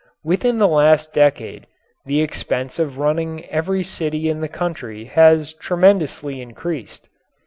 Within the last decade the expense of running every city in the country has tremendously increased.